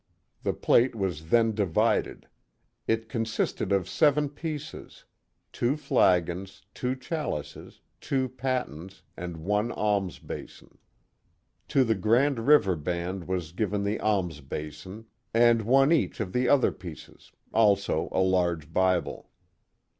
The plate was then divided ; it consisted of seven pieces, two flagons, two chal ices, two patens, and one alms basin. To the Grand River band was given the alms basin and one each of the other pieces, also a large Bible.